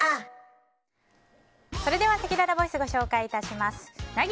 では、せきららボイスご紹介します。